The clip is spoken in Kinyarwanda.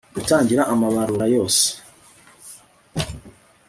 gutangira amabarura yose